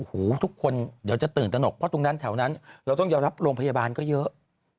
หูทุกคนเดี๋ยวจะตื่นตนกเพราะตรงนั้นแถวนั้นเราต้องยอมรับโรงพยาบาลก็เยอะ